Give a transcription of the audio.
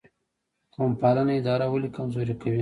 قوم پالنه اداره ولې کمزورې کوي؟